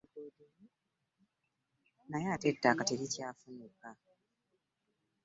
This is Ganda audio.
Naye ate ettaka terikyafunika.